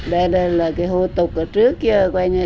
đây là cái hù tục ở trước kia